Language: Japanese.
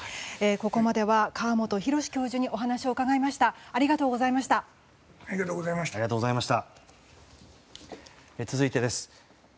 ここまでは河本宏教授にお話を伺いました。